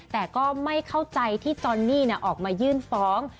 แต่ก็ไม่เข้าใจที่จอนนี่ออกมายื่นฟ้อง